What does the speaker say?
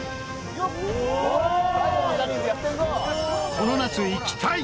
この夏行きたい！